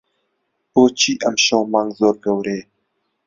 بۆچی ئەمشەو مانگ زۆر گەورەیە؟